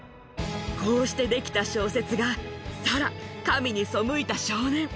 こうして出来た小説が、サラ、神に背いた少年。